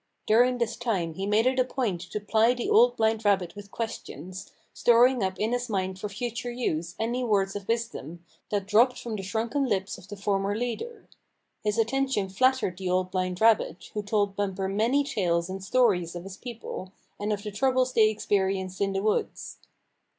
During this time he made it a point to ply the Old Blind Rabbit with questions, storing up in his mind for future use any words of wisdom that dropped from the shrunken lips of the former leader. His attention flattered the Old Blind Rabbit, who told Bumper many tales and stories of his people, and of the troubles they ex perienced in the woods.